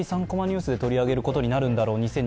「３コマニュース」で取り扱うことになるんだろう